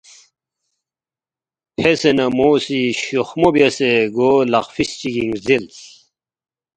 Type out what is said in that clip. فیسے نہ مو سی شوخمو بیاسے گو لقفِس چگِنگ زدرِلس